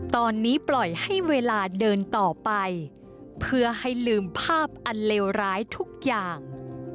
ตอนนี้ปล่อยให้เวลาเดินต่อไปเพื่อให้ลืมภาพอันเลวร้ายทุกอย่าง